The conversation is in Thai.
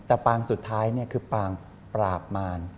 แต่ปางสุดท้ายคือปางปราบมาร